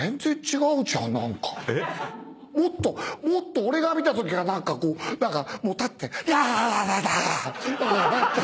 もっともっと俺が見たときは何かこう何かもう立って「ヤヤヤヤヤ！